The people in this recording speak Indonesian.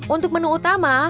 untuk menu utama